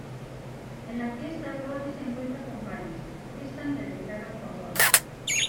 En la fiesta, Rory se encuentra con Paris y Tristan le declara su amor.